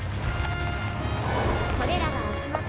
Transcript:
これらが集まって。